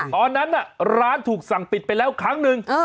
ตอนนั้นร้านถูกสั่งปิดไปแล้วครั้งหนึ่ง